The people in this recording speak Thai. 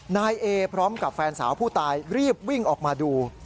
นายเอพร้อมกับแฟนสาวผู้ตายรีบวิ่งออกมาดู